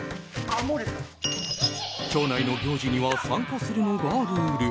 町内の行事には参加するのがルール。